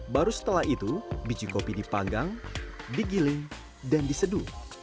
baru setelah itu biji kopi dipanggang digiling dan diseduh